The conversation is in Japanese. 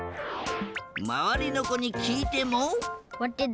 まわりのこにきいても。